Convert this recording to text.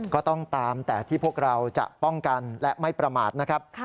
ก็ต้องตามแต่ที่พวกเราจะป้องกันและไม่ประมาทนะครับ